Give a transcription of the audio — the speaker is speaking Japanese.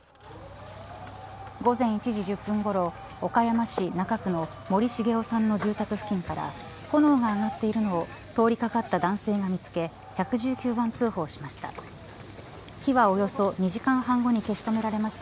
午前１時１０分ごろ岡山市中区の森繁夫さんの住宅付近から炎が上がってるのを通り掛かった男性が見つけ１１９番通報しました。